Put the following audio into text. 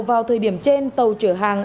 vào thời điểm trên tàu chở hàng